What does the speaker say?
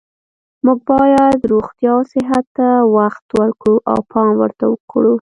موږ باید روغتیا او صحت ته وخت ورکړو او پام ورته کړو